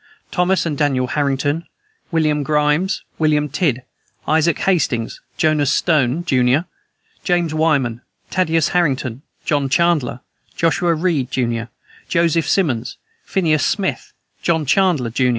Thomas and Daniel Harrington, William Grimes, William Tidd, Isaac Hastings, Jonas Stone, jun., James Wyman, Thaddeus Harrington, John Chandler, Joshua Reed, jun., Joseph Simonds, Phineas Smith, John Chandler, jun.